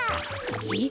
えっ？